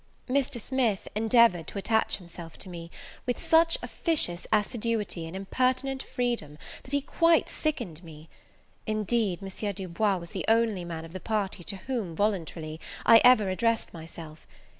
Mr. Smith endeavoured to attach himself to me, with such officious assiduity and impertinent freedom, that he quite sickened me. Indeed M. Du Bois was the only man of the party to whom, voluntarily, I ever addressed myself.